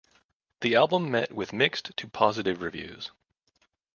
The album met with mixed to positive reviews.